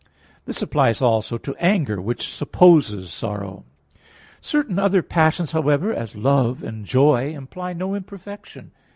This applies also to anger, which supposes sorrow. Certain other passions, however, as love and joy, imply no imperfection.